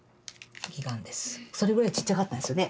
それぐらいちっちゃかったんですよね。